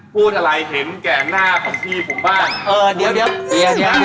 พูดอะไรเห็นแก่หน้าของพี่ผมบ้าง